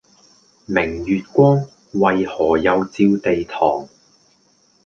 明月光，為何又照地堂